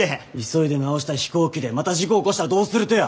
急いで直した飛行機でまた事故起こしたらどうするとや！